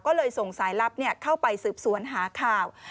ก็เลยส่งสายลับเข้าไปสืบสวนหาข่าว